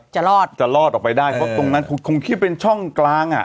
จะรอดจะรอดออกไปได้เพราะตรงนั้นคงคิดเป็นช่องกลางอ่ะ